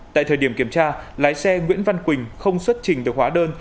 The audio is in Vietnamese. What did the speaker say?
tại thời điểm kiểm tra lái xe nguyễn văn quỳnh không xuất trình được hóa đơn